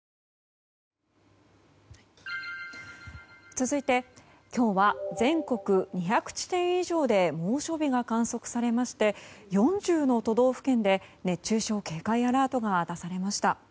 続いて今日は全国２００地点以上で猛暑日が観測されまして４０の都道府県で熱中症警戒アラートが出されました。